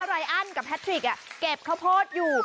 ไรอันกับแพทริกเก็บข้าวโพดอยู่